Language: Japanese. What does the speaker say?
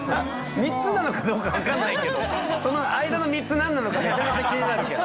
３つなのかどうか分かんないけどその間の３つ何なのかめちゃめちゃ気になるけど。